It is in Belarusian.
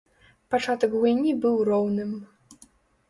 Пачатак гульні быў роўным.